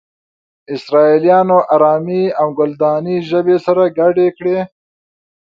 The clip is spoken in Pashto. اسرائيليانو آرامي او کلداني ژبې سره گډې کړې.